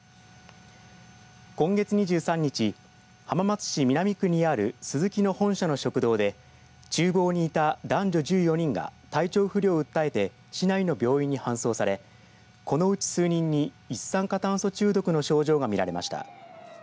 今月２３日浜松市南区にあるスズキの本社の食堂でちゅう房にいた男女１４人が体調不良を訴えて市内の病院に搬送されこのうち数人に一酸化炭素中毒の症状が見られました。